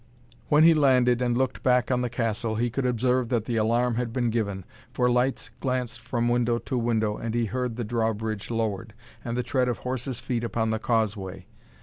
When he landed and looked back on the castle, he could observe that the alarm had been given, for lights glanced from window to window, and he heard the drawbridge lowered, and the tread of horses' feet upon the causeway.